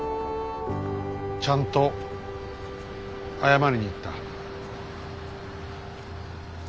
ちゃんと謝りに行った。